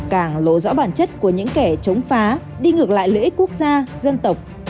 càng lộ rõ bản chất của những kẻ chống phá đi ngược lại lợi ích quốc gia dân tộc